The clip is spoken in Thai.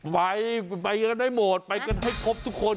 ไปกันให้หมดไปกันได้คบทุกคน